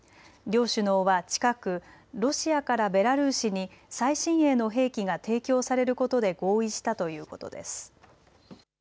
両首脳は近く、ロシアからベラルーシに最新鋭の兵器が提供されることで合意したということです。